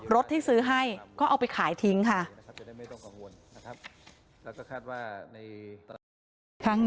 รถที่ซื้อให้ก็เอาไปขายทิ้งค่ะ